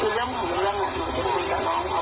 ที่เริ่มสูงเรื่องน่ะดูจริงกับน้อง